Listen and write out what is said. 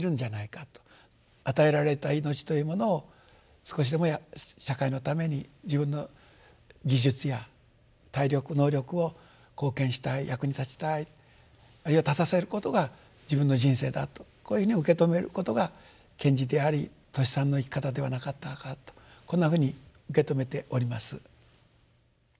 与えられた命というものを少しでも社会のために自分の技術や体力能力を貢献したい役に立ちたいあるいは立たせることが自分の人生だとこういうふうに受け止めることが賢治でありトシさんの生き方ではなかったかとこんなふうに受け止めております。